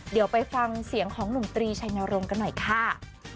เดี๋ยวไปฟังเสียงของหนุ่มตรีชัยนรงค์กันหน่อยค่ะ